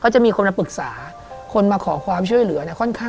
จะมีชื่อ